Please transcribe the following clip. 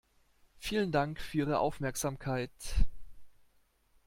Vielen Dank für Ihre Aufmerksamkeit!